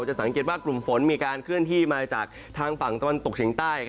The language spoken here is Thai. จะสังเกตว่ากลุ่มฝนมีการเคลื่อนที่มาจากทางฝั่งตะวันตกเฉียงใต้